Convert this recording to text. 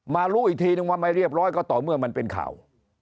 รู้อีกทีนึงว่าไม่เรียบร้อยก็ต่อเมื่อมันเป็นข่าว